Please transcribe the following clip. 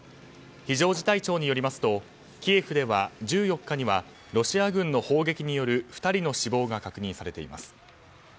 非常事態庁によりますとキエフでは１４日にはロシア軍の砲撃による２人の死亡が確認されています。